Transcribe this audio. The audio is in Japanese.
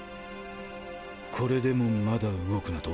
これでもまだ動くなと？